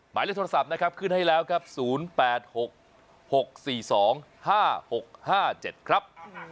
หมายเลขโทรศัพท์นะครับขึ้นให้แล้วครับ๐๘๖๖๔๒๕๖๕๗ครับ